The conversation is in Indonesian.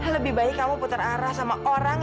lebih baik kamu putar arah sama orang